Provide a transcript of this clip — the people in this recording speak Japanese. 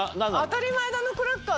「あたり前田のクラッカー」。